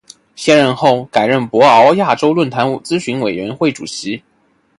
卸任后改任博鳌亚洲论坛咨询委员会主席。